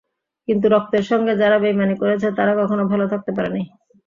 কিন্তু রক্তের সঙ্গে যারা বেইমানি করছে তাঁরা কখনো ভালো থাকতে পারে নাই।